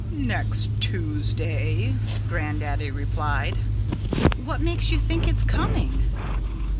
"Next Tuesday!" Grandaddy replied. "What makes you think it's coming?"